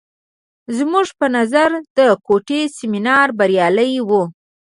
زموږ په نظر د کوټې سیمینار بریالی و.